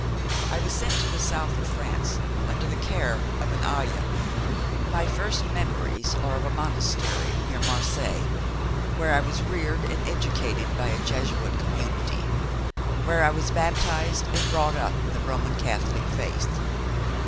I was sent to the South of France under the care of an ayah. My first memories are of a monastery near Marseilles, where I was reared and educated by a Jesuit community, where I was baptised and brought up in the Roman Catholic faith.